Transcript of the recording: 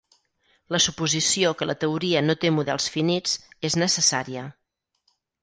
La suposició que la teoria no té models finits és necessària.